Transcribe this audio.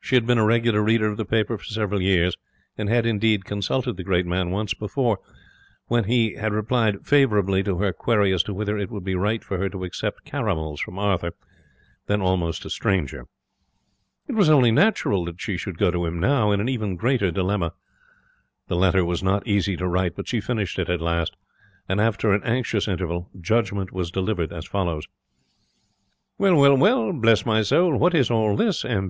She had been a regular reader of the paper for several years; and had, indeed, consulted the great man once before, when he had replied favourably to her query as to whether it would be right for her to accept caramels from Arthur, then almost a stranger. It was only natural that she should go to him now, in an even greater dilemma. The letter was not easy to write, but she finished it at last; and, after an anxious interval, judgement was delivered as follows: 'Well, well, well! Bless my soul, what is all this? M.